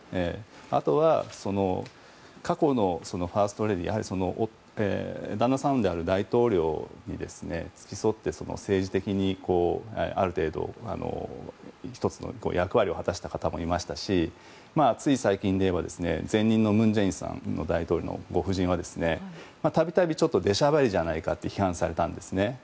あとは過去のファーストレディー旦那さんである大統領に付き添って政治的にある程度、１つの役割を果たした方もいましたしつい最近でいえば前任の文在寅さんのご夫人は度々、出しゃばりじゃないかと批判されたんですね。